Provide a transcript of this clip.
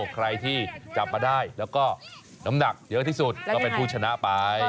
ใครที่จับมาได้แล้วก็น้ำหนักเยอะที่สุดก็เป็นผู้ชนะไป